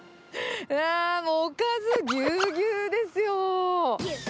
あーもう、おかずぎゅうぎゅうですよ。